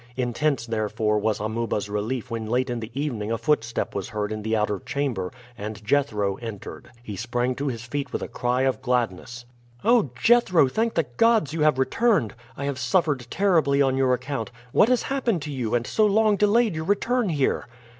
Intense, therefore, was Amuba's relief when late in the evening a footstep was heard in the outer chamber, and Jethro entered. He sprang to his feet with a cry of gladness. "Oh, Jethro! thank the gods you have returned. I have suffered terribly on your account. What has happened to you, and so long delayed your return here?"